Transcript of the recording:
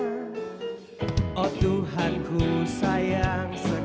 gua bisa tetap bersemangat